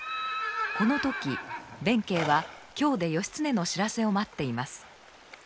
この時弁慶は京で義経の知らせを待っています。